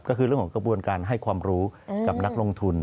ก็คือเรื่องของกระบวนการให้ความรู้กับนักลงทุน